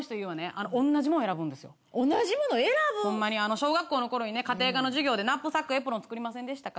小学校の頃にね家庭科の授業でナップサックエプロン作りませんでしたか？